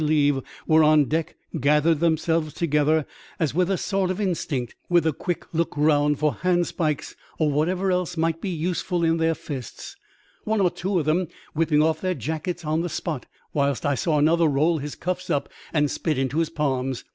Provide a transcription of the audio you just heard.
55 believe, were on deck — gathered themselves together as with a sort of instinct, with a quick look round for handspikes, or whatever else might be useful in their fists, one or two of them whipping off their jackets on the spot, whilst I saw another roll his cuffs up and spit into his palms.